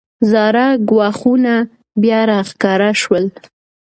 زاړه ګواښونه بیا راښکاره شول.